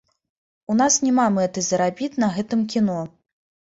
У нас няма мэты зарабіць на гэтым кіно.